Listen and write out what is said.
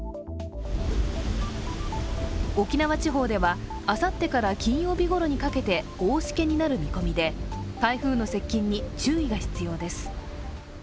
沖縄地方では、あさってから金曜日ごろにかけて大しけになる見込みで、台風の接近に注意が必要です。